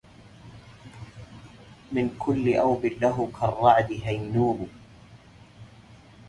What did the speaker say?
من كل أوبٍ له كالرعد هينومُ